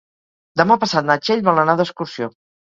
Demà passat na Txell vol anar d'excursió.